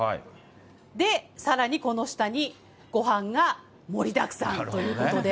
で、さらにこの下にごはんが盛りだくさんということで。